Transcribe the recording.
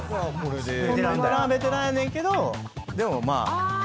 ベテランはベテランやねんけどでもまあ。